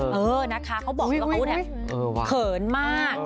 แปลว่าก็บอกว่าน่าเขาฮื้ยเขินมาก